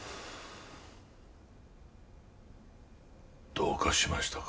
どうかしましたか？